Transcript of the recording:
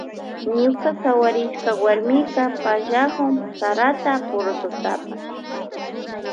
Ñuka sawarishka warmika pallakun sarata purututapash.